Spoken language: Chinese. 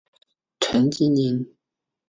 陈吉宁。